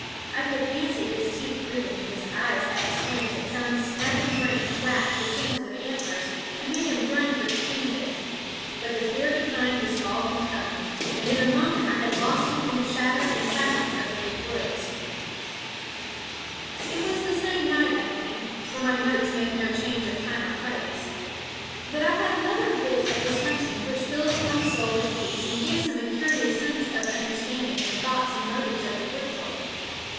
I could fancy his teeth gritting and his eyes at squint as some snapping branch whacked his sensitive antlers and made him grunt with the pain of it. But the fear behind was all compelling, and in a moment I had lost him in the shadow and silence of the big woods. [Illustration: "Lunged away at a terrific pace"] It was that same night, I think, for my notes make no change of time or place, that I had another bit of this hunting which fills one's soul with peace and gives him a curious sense of understanding the thoughts and motives of the Wood Folk.